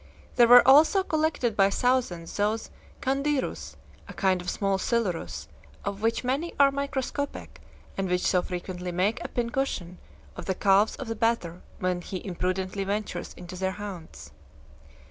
There were also collected by thousands those "candirus," a kind of small silurus, of which many are microscopic, and which so frequently make a pincushion of the calves of the bather when he imprudently ventures into their haunts.